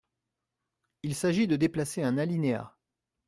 Il s’agit de déplacer un alinéa.